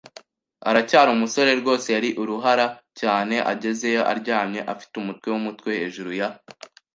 aracyari umusore rwose, yari uruhara cyane. Agezeyo, aryamye, afite umutwe w’umutwe hejuru ya